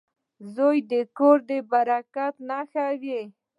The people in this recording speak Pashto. • زوی د کور د برکت نښه وي.